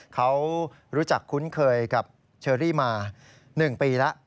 เขารู้จักคุ้นเคยกับเชอรี่มา๑ปีแล้ว